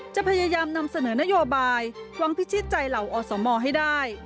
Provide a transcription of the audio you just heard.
จะพยายามนำเสนอนโยบายวางพิชิตใจเหล่าอสมให้ได้